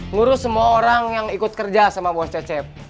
ngurus semua orang yang ikut kerja sama bos cecep